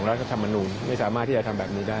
แล้วจะทำมนุมไม่สามารถที่จะทำแบบนี้ได้